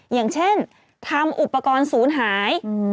อย่างเช่นทำอุปกรณ์ศูนย์หาย